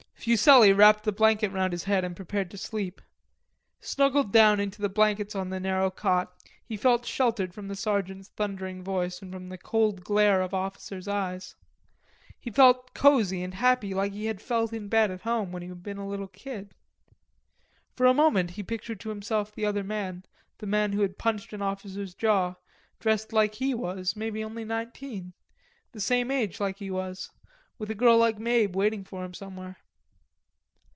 Fuselli wrapped the blanket round his head and prepared to sleep. Snuggled down into the blankets on the narrow cot, he felt sheltered from the sergeant's thundering voice and from the cold glare of officers' eyes. He felt cosy and happy like he had felt in bed at home, when he had been a little kid. For a moment he pictured to himself the other man, the man who had punched an officer's jaw, dressed like he was, maybe only nineteen, the same age like he was, with a girl like Mabe waiting for him somewhere.